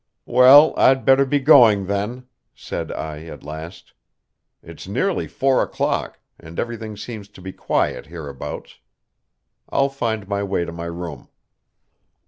"Well, I'd better be going then," said I at last. "It's nearly four o'clock, and everything seems to be quiet hereabouts. I'll find my way to my room."